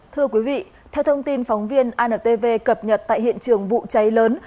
thưa quý vị theo thông tin phóng viên antv cập nhật tại hiện trường vụ cháy lớn